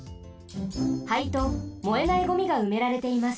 灰と燃えないゴミがうめられています。